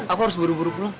aku harus buru buru